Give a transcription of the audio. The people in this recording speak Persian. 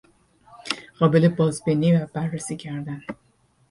قابل بازبینی و بررسی کردن